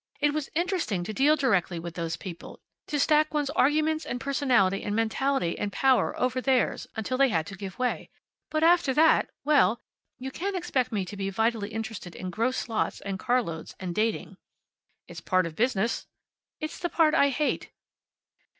It was interesting to deal directly with those people, to stack one's arguments, and personality, and mentality and power over theirs, until they had to give way. But after that! Well, you can't expect me to be vitally interested in gross lots, and carloads and dating." "It's part of business." "It's the part I hate."